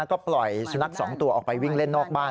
ก็ปล่อยสุนัข๒ตัวออกไปวิ่งเล่นนอกบ้าน